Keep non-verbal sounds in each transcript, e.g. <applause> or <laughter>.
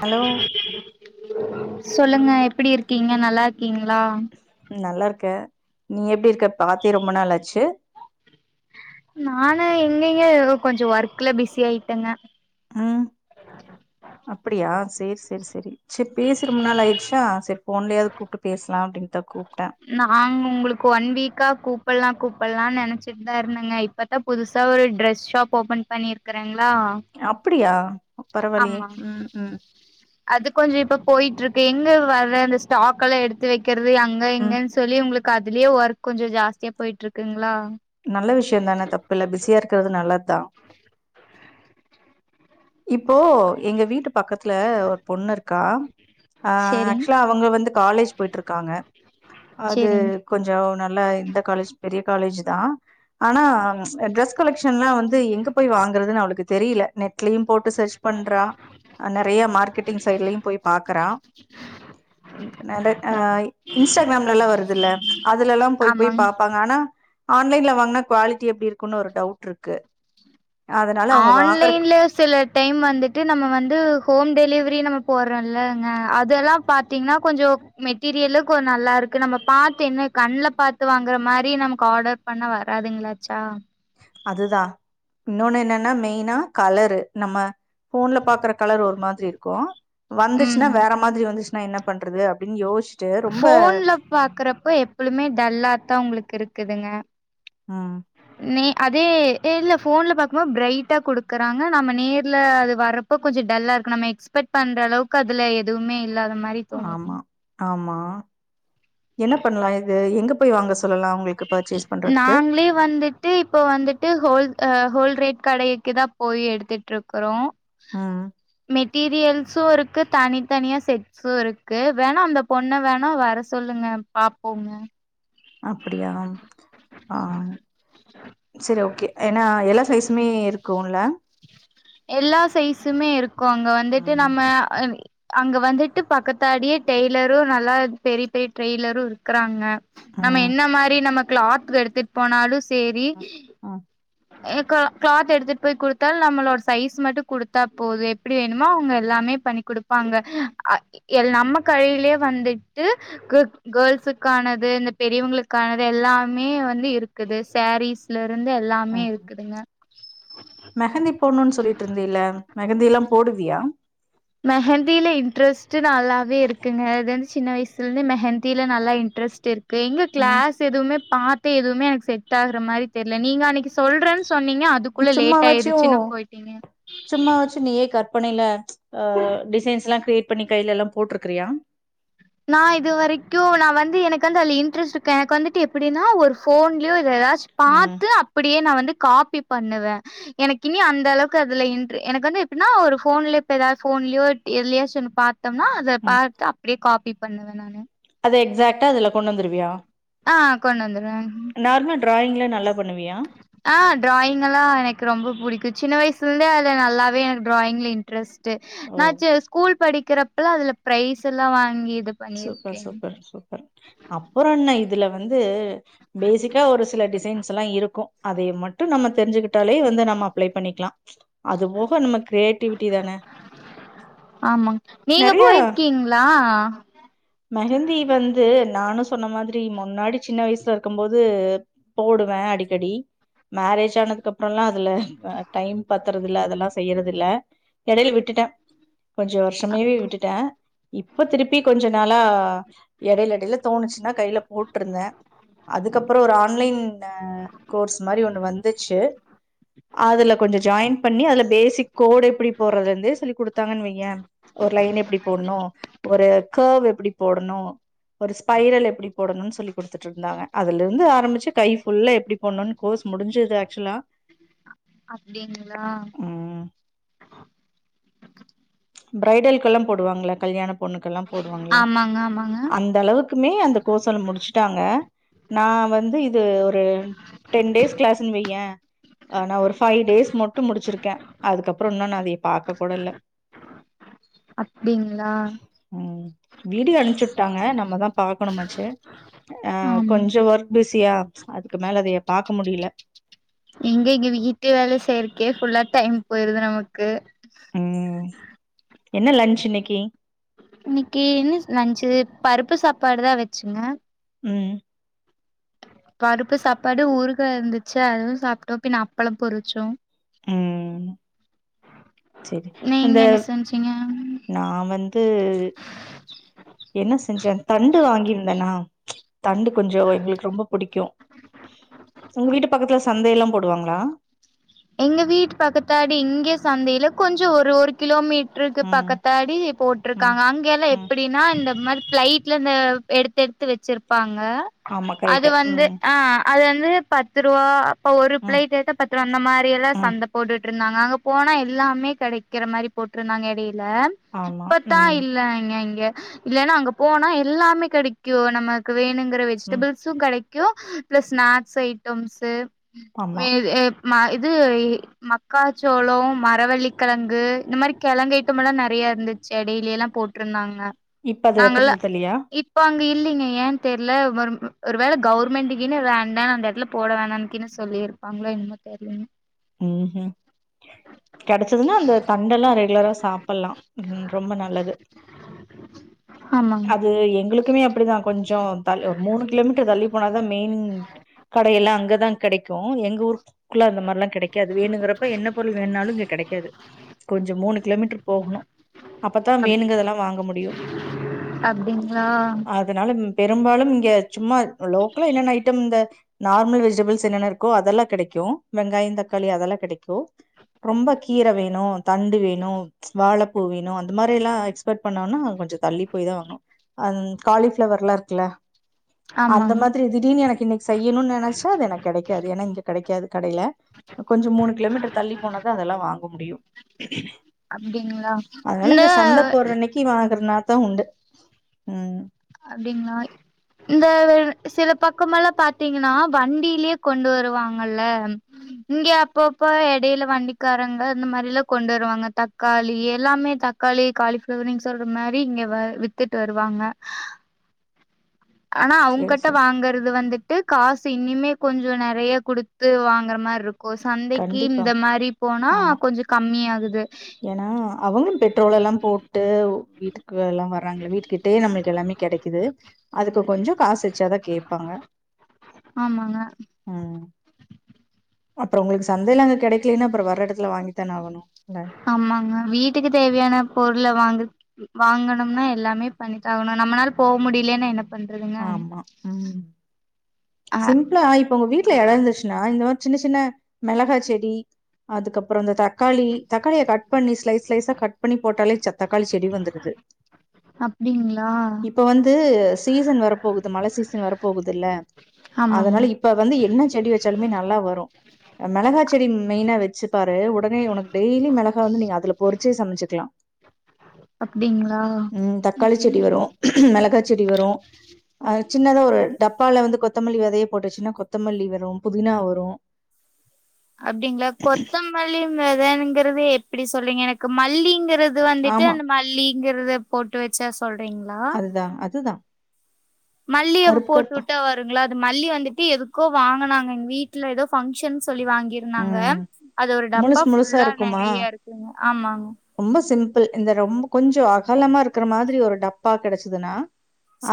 Hello சொல்லுங்க எப்டி இருக்கீங்க நல்லா இருக்கீங்களா நல்லா இருக்க நீ எப்டி இருக்க பாத்தே ரொம்ப நாளாச்சு நானு எங்கங்க கொஞ்ச ஒர்க்ல பிஸி ஆயிட்டங்க ம் அப்டியா சேரி சேரி சேரி சேரி பேசி ரொம்ப நாள் ஆயிடுச்சா சேரி போன்லயாவது கூப்புட்டு பேசலா அப்டின்னு தா கூப்ட்ட நாங்க உங்களுக்கு ஒன் வீக்கா கூப்பலா கூப்பலாம்னு நெனச்சுட்டு தா இருந்தங்க இப்ப இப்ப தா புதுசா ஒரு ட்ரெஸ் ஷாப் ஓபன் பண்ணிருக்கறங்களா அப்டியா பரவாயில்லயே ஆமாங்க ம் ம் அது கொஞ்ச இப்ப போயிட்டு இருக்கு எங்க வர்ற அந்த ஸ்டாக்லா எடுத்து எடுத்து வைக்கிறது அங்க ம் இங்கன்னு சொல்லி உங்களுக்கு அதுலயே ஒர்க் கொஞ்ச ஜாஸ்தியா போயிட்டு இருக்குங்களா நல்ல விஷய தான தப்புல பிஸியா இருக்குறது நல்லது தா இப்போ எங்க வீட்டு பக்கத்துல ஒரு பொண்ணு இருக்கா அ சேரிங் ஆக்சுலா அவங்க வந்து காலேஜ் போயிட்டு இருக்காங்க அது சேரிங் கொஞ்சோ நல்ல இந்த காலேஜ் பெரிய காலேஜ் தா ஆனா ட்ரஸ் கலெக்ஷன்லா வந்து எங்க போய் வாங்கறதுன்னு அவளுக்கு தெரில நெட் லையும் போட்டு சர்ச் பண்றா நெறய மார்க்கெட்டிங் சைட்லயு போய் பாக்குறா நஹ் இன்ஸ்டாகிராம்ல்லலா வருது இல்ல அதுல்லா போய் போய் ஆமாங் பா இருப்பாங்க ஆனா ஆன்லைன்ல வாங்குனா குவாலிட்டி எப்டி இருக்குன்னு ஒரு டவுட் இருக்கு அதனால அவங்க வாங்குற ஆன்லைன்ல சில டைம் வந்துட்டு நம்ம வந்து ஹோம் டெலிவரி நம்ம போடுறோம்லங்க அதெல்லா பாத்தீங்கன்னா கொஞ்ச மெட்டீரியலு கொஞ்ச நல்லா இருக்கு நம்ம பாத்து என்ன கண்ணல பாத்து வாங்குற மாரி நமக்கு ஆர்டர் பண்ண வராதுங்களாச்சா அதுதா இன்னொன்னு என்னன்னா மெயினா கலரு நம்ம போன்ல பா கலர் ஒரு மாதிரி இருக்கும் ம் வந்துச்சுன்னா வேற மாரி வந்துச்சுன்னா என்ன பண்றது அப்டின்னு யோசி போன்ல பாக்குறப்ப எப்பழுமே டல்லாத்தா உங்களுக்கு இருக்குதுங்க ம் ந அதே இல்ல போன்ல பாக்கும் போது பிரைட்டா குடுக்குறாங்க நம்ம நேர்ல அது வர இப்ப கொஞ்ச டல்லா இருக்கு நம் எக்ஸ்பெக்ட் பண்ற அளவுக்கு அதுல எதுமே இல்ல தா ஆமா ஆமா என்ன பண்ணலா இது எங்க போய் வாங்க சொல்லலா க்கு பர்ச்சேஸ் பண்றதுக்கு நாங்களே வந்துட்டு இப்போ வந்துட்டு ஹோல்ஹ் ஹோல் ரேட் கடைக்கு தா போய் எடுத்துட்டு இருக்குறோ ம்ம் மெட்டீரியல்ஸ்சு இருக்கு தனி தனியாக செட் சோ இருக்கு வேணா அந்த பொண்ண வேணா வர சொல்லுங்க பாப்போங்க அப்புடியா ஆ செரி ஓகே ஏன்னா எல்லா சைஸ்சுமே இருக்குல எல்லா சைஸ்சுமே இருக்கு அங்க வந்துட்டு ம் நம்ம அங்க வந்துட்டு பக்கத்தாடியே டெய்லரு நல்லா பெரிய பெரிய ட்ரெய்லரு இருக்குறாங்க நம்ம ம் என்ன மாரி நம்ம கிளாத் வெ எடுத்துட்டு போனாலு செரி ம் ம் எனக்கா கிளாத் எடுத்துட்டு போய் குடுத்தால் நம்மளோட சைஸ் மட்டு குடுத்தா போது எப்டி வேணுமோ அவங்க எல்லாமே பண்ணி குடுப்பாங்க அ எல் நம்ம கையிலியே வந்துட்டு <unintelligible> கேள்ஸுக்கானது இந்த பெரியவங்களுக்கானது எல்லாமே வந்து இருக்குது சாரீஸ்லருந்து எல்லாமே ம். இருக்குதுங்க மெஹந்தி போடணுன்னு சொல்லிட்டு இருந்தீல்ல மெஹந்திலா போடுவியா மெஹந்தியில இன்ட்ரெஸ்ட்டு நல்லாவே இருக்குங்க அது வந்து சின்ன வயசுல இருந்து மெஹந்தில நல்லா இன்ட்ரெஸ்ட் இருக்கு இப்ப எங்க ம் கிளாஸ் எதுவுமே பாத்து எதுவுமே எனக்கு செட் ஆகுற மாரி தெர்ல நீங்க அன்னைக்கு சொல்றன்னு சொன்னீங்க நீ அதுக்குள்ள லேட் சும்மாவாச்சு ஆயிருச்சின்னு போயிட்டீங்க <unintelligible> பண்ணில டிசைன்ஸ்லா கிரியேட் பண்ணி கையிலலா போட்டிருக்கிறியா நா இது வரைக்கு நா வந்து எனக்கு வந்து அதுல இன்ட்ரெஸ்ட்டு இக்கு எனக்கு வந்துட்டு எப்டினா ஒரு போன்லயோ இது ஏதாச்சு ம் பாத்து அப்படியே நா வந்து காபி பண்ணுவ எனக்கு இன்னி அந்த அளவுக்கு அதுல இன்ட்ர் எனக்கு வந்து எப்டினா ஒரு போன்ல இப்ப ஏதாது போன்லியோ எதுலியாச்சு ஒன்னு பாத்தம்னா அத ம் பாத்து அப்டியே காபி பண்ணுவ நானு அத எக்ஸாக்டா அதுல கொண்டு வந்துருவியா ஆ கொண்டு வந்துருவே நார்மல் டிராயிங்லா நல்லா பண்ணுவியா ஆ டிராயிங்கெலா எனக்கு ரொம்ப பிடிக்கு சின்ன வயசுல இருந்தே அது நல்லாவே எனக்கு ட்ராயிங்ல இன்ட் ரஸ்ட்டு ஓ நா செ ஸ்கூல் படிக்கிறப்பல்லா அதுல பிரைஸெல்லா வாங்கிடு சூப்பர் சூப்பர் சூப்பர் அப்றோ என்ன இதுல வந்து பேசிக்கா ஒரு சில டிசைன்ஸெலா இருக்கு அதய மட்டு நம்ம தெரிஞ்சுகிட்டாலே வந்து நம்ம அப்ளை பண்ணிக்லா அது போக நம்ம க்ரியேட்டிவிட் ஆமாங் நீங்க நெறைய போயிருக்கீங்களா மெஹந்தி வந்து நானு சொன்ன மாரி முன்னாடி சின்ன வயசுல இருக்கும்போது போடுவே அடிக்கடி மேரேஜ் ஆனதுக்குப்புறல்லா அதுல ம் டைம் பத் றதில்ல அதெல்லா செய்யுறது இல்ல எடையில விட்டுட்டே கொஞ்சோ வருஷமேவே விட்டுட்ட இப்ப திருப்பி கொஞ்ச நாளா எடைல எடைல தோணுச்சின்னா கையில போட்டுருந்த அதுக்கப்றோ ஒரு ஆன்லைன்ல கோர்ஸ் மாரி ஒன்னு வந்துச்சு அதுல கொஞ்சோ ஜாயின் பண்ணி அதுல பேசிக் கோடு எப்பிடி போடுறதுல இருந்தே சொல்லி கொடுத்தாங்கன்னு வைன் ஒரு லைன் எப்டி போடணு ஒரு கவ் எப்படி போடணு ஒரு ஸ்பைரல் எப்படி போடணும்னு சொல்லி கொடுத்துட்டு இருந்தாங்க அதுல இருந்து ஆரம்பிச்சு கை ஃபுல்ல எப்படி போணுன்னு கோர்ஸ் முடிஞ்சுது ஆக்சுவலா அப்டிங்களா ம் பிரைடல்கெலா போடுவாங்கள கல்யாண பொண்ணுக்கெலா போடுவாங்கள ஆமாங்க ஆமாங்க அந்த அளவுக் க்குமே அந்த கோர்செலா முடிச்சுட்டாங்க நா வந்து இது ஒரு டென் டேஸ் கிளாஸ்னு வைய்யே ஆ நா ஒரு ஃபைவ் டேஸ் மட்டு முடிச்சிருக்கே அதுக்கப்றோ இன்னு நா அதயே பாக்க கூட இல்ல அப்டிங்களா ம் வீடியோ அனுச்சு விட்டாங்க நம்மதா பாக்கணுமாச்சு ஆ ஆமா கொஞ்சோ ஒர்க் பிஸியா அதுக்கு மேல அதைய பாக்க முடியுல எங்க இங்க வீட்டு வேல செய்யருக்கே ஃபுல்லா டைம் போயிருது நமக்கு உம் என்ன லன்ச் இன்னிக்கி இன்னிக்கி என்ன லஞ்சு பருப்பு சாப்பாடு தா வெச்சங்க உம் பருப்பு சாப்பாடு ஊருகா இருந்துச்சு அதுவு சாப்ட்டோ பின்ன அப்பளோ பொறிச்சோ உம் செரி அந்த நீங்க என்ன செஞ்சீங்க நா வந்து என்ன செஞ்சே தண்டு வாங்கியிருந்தேனா தண்டு கொஞ்சோ எங்குளுக்கு ரொம்ப புடிக்கோ உங்க வீட்டு பக்கத்துல சந்தையெல்லா போடுவாங்களா எங்க வீட்டு பக்கத்தாடி இங்க சந்தைல கொஞ்சோ ஒரு ஒரு கிலோமீட் ட்ருக்கு ம் பக்கத்தாடி ம் போட்டுருக்காங்க அங் கயெல்லா ம் எப்டீன்னா இந்த மாரி ஃப்ளைட்ல இந்த எடுத்து எடுத்து வெச்சுருப்பாங்க ஆமா அது கரெக்ட்டு வந்து ம் அ அது வந்து பத்துருவா அப்ப ஒரு ம் ஃப்ளைட் ஏத்த பத்துருபா இந்த மாரிலா ம் சந்த போட்டுட்டு இருந்தாங்க அங்க போனா எல்லாமே கெடைக்கிற மாரி போட்டுருந்தாங்க எடையில ஆமா இப்பத்தா ம் இல்ல இங்க இங்க இல்லன்னா அங்க போனா எல்லாமே கெடிக் கோ நமக்கு வேணுங்கிற ம் வெஜிடபிள்ஸும் கடைக்கோ பிளஸு ஸ்நாக்ஸ் ஐட்டம்ஸு ஆமா வே எ மா இது மக்காச்சோளோ மரவள்ளிக்கெழங்கு இந்த மாரி கெழங்கு ஐட்டம்லா நறையா இருந்துச்சு எடையில எல்லா போட் ட்ருந்தாங்க இப்ப அது நாங்கெல்லா வைக்கறது இல்லையா இப் இப்ப அங்க இல்லீங்க ஏ தெர்ல ஒரு ஒரு வேல கவுர்மெண்ட்கீன்னு வேண்டா அந்த எடத்துல வேணாங்கீனு சொல்லிரு அவுங்களா என்னமோ தெர்லயுங்க ம் கெடைச்சதுன்னா அந்த தண்டெல்லா ரெகுலரா சாப்பலா ரொம்ப நல்லது ஆமாங் அது எங்குளுக் குமே அப்டிதா கொஞ்சோ தள் ஒரு மூணு கிலோமீட்டர் தள்ளி போனாதா மெயின் கடையெல்லா அங்கதா கெடைக்கோ எங்க ஊருக்குள்ள அந்த மாரிலா கெடைக் காது வேணுங்கறப்ப என்ன பொருள் வேணுனாலு இங்க கெடைக்காது கொஞ்சோ மூணு கிலோமீட்டர் போகணோ அப்பத்தா அப் வேணுங்கறதெல்லா வாங்க முடியு அப்டிங்களா அ இதனால பெரும்பாலும் இங்க சும்மா லோக்கலா என்னென்ன ஐட்டம் இந்த நார்மல் விஜிடேபுள்ஸ் என்னென்ன இருக்கோ அதெல்லா கெடைக்கோ வெங்காய தக்காளி அதெல்லா கெடைக்கோ ரொம்ப கீர வேணோ தண்டு வேணோ வாழப்பூ வேணோ அந்த மாரி எல்லா எக்ஸ்பெட் பண்ணோம்னா கொஞ்சோ தள்ளி போய்தா வாங்னோ அன் காலிஃப்ளவர் லா இருக்குல்ல அந்த ஆமாங் மாரி திடீனு எனக்கு இன்னைக்கி செய்யணோனு நெனைச்சா அது எனக்கு கெடைக்காது ஏன்னா இங்க கெடைக்காது கடையில கொஞ்சோ மூணு கிலோமீட்டர் தள்ளி போனாதா அதெல்லா வாங்க முடியு சாப்டீங்ளா இந்த போர்ற அன்னக்கி வாங்கர்னாதா உண்டு உம் அப்டிங்களாய் இந்த சில பக்கமெல்லா பாத்தீங்கன்னா வண்டீலயே கொண்டு வருவாங்கல இங்க அப்பப்ப எடையில வண்டிக்காரங்க அந்த மாரிலா கொண்டு வருவாங்க தக்காளி எல்லாமே தக் காளி காளிஃப்ளவரு சொல்ற மாரி இங்க வ வித்துட்டு வருவாங்க ஆனா சேரி அவுங்கட்ட சேரி வாங்கறது வந்துட் டுகாசு இனிமே கொஞ்சோ நறையா குடுத்து வாங்குற மாரி இருக் கோ சந்தைக்கு கண்டிப்பா இந்த மாரி போனா கொஞ்ச கம்மி ஆகுது ஏனா அவங்களு பெட்ரோல் எல்லா போட்டு வீட்டுக்கு எல்லா வர்றாங்கள வீட்டுக்கிட்டயே நம்மளுக் எல்லாமே கெடைக்குது அதுக்கு கொஞ்ச காசு எச்சாதா கேப்பாங்க ஆமங்க ம் அப்றோ உங்களுக்கு சந்தைல அங்க கெடைக்கலன்னா அப்றோ வர்ற எடத்துல வாங்கித்தானே ஆகணு ல்ல ஆமாங்க வீட்டுக்கு தேவையான பொருள வாங்கர் வாங்கனும்னா எல்லாமே பண்ணி தா ஆகணு நம்மளால போ முடியலன்னா என்னப் ஆமா ம் அ சிம்ப்ளா இப்ப உங்க வீட்டுல எடோ இருந்துச்சுன்னா இந்த மாரி சின்ன சின்ன மெளகா செடி அதுக்கப்பறோ இந்த தக்காளி தக்காளிய காட் கட் பண்ணி ஸ்லைஸ் லைஸா கட் பண்ணி போட்டாலே ச தக்காளி செடி வந்துருது அப்டிங்களா இப்ப வந்து சீசன் வரப்போகுது மழ சீசன் வரப்போகுதுல்ல ஆமாங்க அதனால இப்ப வ வந்து என்ன செடி வெச்சாலுமே நல்லா வரு மிளகா செடி மெயினா வெச்சுப்பாரு உடனே உனக் டெய்லி மெளகா வந்து நீங்க அதுல பொறிச்சே சமச்சுக்கலா அப்டிங்களா ம் த க்காளி செடி வரு மெளகா செடி வரு அது சின்னதா ஒரு டப்பால வந்து கொத்தமல்லி வெதைய போட்டுவெச்சனா கொத்தமல்லி வரு புதினா வரு அப்டிங்களா கொத்தமல்லி வெதங்கறது எப்டி சொல்றிங்க எனக்கு மல்லிங்கறது அது வந்துட்டு ஆமா அந்த மல்லிங்கறத போட்டு வெச்சா சொல்றீங்களா அதுதா அதுதா மல்லிய அப்போ போட்டுவுட்டா வரு குங்களா அது மல்லி வந்துட்டு எதுக்கோ வாங்குனாங்க எங்க வீட்டல ஏதோ பங்க்ஷன் சொல்லி வாங்கி ந்தாங்க ம் அது ஒரு டப்பா முழுசு முழுசா புல்லா நெறையா இருக்குங்க ஆமாங்க ரொம்போ சிம்பிள் இந்த ரொம்ப கொஞ்சோ அகலமா இருக்கற மாதிரி ஒரு டப்பா கெடச்சுதுனா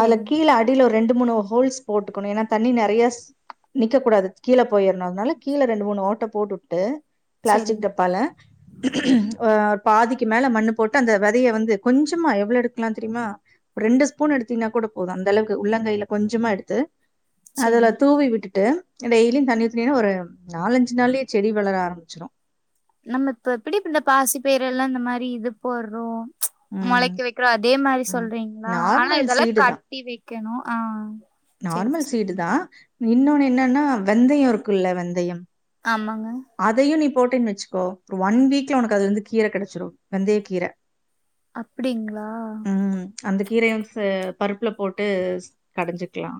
அதுல கீழ அடில ஒரு ரெண்டு மூணு ஹோல்ஸ் போட்டுக்கணு ஏனா தண்ணி நெறையா ஸ் நிக்க கூடாது கீழ போயற்ணு அதனால கீழ ரெண்டு மூணு ஓட்ட போட்டு உட்டு பிளாஸ்டிக் செரிங் டப்பால ம் பாதிக்கு மேல மண்ணு போட்டு அந்த வெதய வந்து கொஞ்சமா எவ்ளோ எடுக்கலா தெரியுமா ஒரு ரெண்டு ஸ்பூன் எடுத்தீன்னா கூட போது அந்த அளவுக்கு உள்ளங்கைல கொஞ்சமா எடுத்து அதுல செரிங் தூவி விட்டுட்டு டெய்லியு தண்ணி ஊத்துணியனா ஒரு நாலஞ்சு நாள்யே செடி வளர ஆரம்பிச்சிரு நம்ம இப்ப எப்படி இப்ப இந்த பாசி பயிர எல்லா இந்த மாரி இது போடுறோ ச் ம், மொளைக்க வெக்களா அதே மாரி ம். சொல்றீங்களா ஆனா நார்மல் இதெல்லா சீடு கட் தான். ட்டி விக்கணு ஆ சேரி நார்மல் சீடு சேரிங்க தா இன்னொன்னு என்னன்னா வெந்தயோ இருக்குல்ல வெந்தயம் ஆமாங்க அதையு நீ போட்டீன் வெச்சுக்கோ ஒரு ஒன் வீக்ல உனக்கு அது வந்து கீர கெடச்சிடு வெந்தய கீர அப்டிங்ளா ம் அந்த கீரய வந்து பருப்புல போட்டு கடஞ்சு க்லா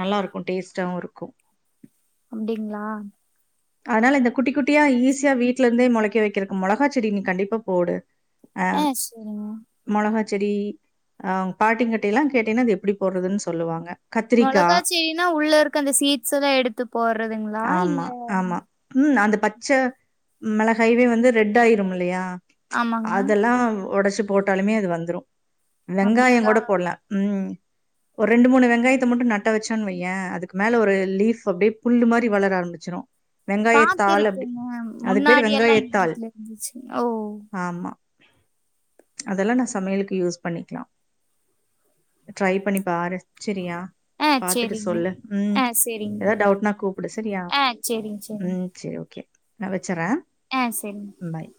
நல்லா இருக்கு டேஸ்ட்டாவு இருக்கு அப்டிங்ளா அதனால இந்த குட்டி குட்டியா ஈஸியா வீட்லருந்தே மொளைக்க வெக்கிறக்கு மொளகா செடி நீ கண்டிப்பா போடு அ ஆ செரிங்க மொளகா செடி அ பாட்டிங்கிட்டையெல்லா கேட்டீங்கன்னா அது எப்புடி போடுறதுன்னு சொல்லுவாங்க கத்திரிக்கா மொளகா செடினா உள்ள இருக்க அந்த சீட்ஸ் எல்லா எடுத்து போடுறதுங்ளா இல்ல ஆமா, ஆமா. ம் அந்த பச்ச மெளகைவே வந்து ரெட் ஆயிரும் இல்லையா ஆமாங்க. அதெல்லா ஒடச்சு போட்டாலுமே அது வந்துரு வெங்காயங் அப்டிங்களா? கூட போடலா ம் ஒரு ரெண்டு மூணு வெங்காயத் மட்டு நட்ட வச்சன்னு வையே அதுக்கு மேல ஒரு லீஃப் அப்டியே புல்லு மாரி வளர ஆரம்பிச்சுரு வெங்காயத்தாள் அப்டி பாத்துருக்கேங்க. அது பேரு முன்னாடி எல்லாம் எங்க வெங்காயத்தாள் வீட்ல இருந்துச்சு. ஓ! ஆமா அதெல்லா நா சமையலுக்கு யூஸ் பண்ணிக்லா ட்ரை பண்ணிப்பாரு செரியா ஆ பாத்துட்டு சரிங்க. சொல்லு ம் ஆ சரிங்க. ஏதாது டவுட்னா கூப்புடு செரியா ஆ சரிங்க, சரிங்க. ம் செரி ஓகே நா வச்சறே ஆ செரிங் பாய்